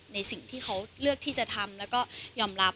ในสิ่งที่เขาเลือกที่จะทำแล้วก็ยอมรับ